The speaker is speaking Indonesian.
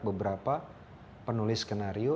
beberapa penulis skenario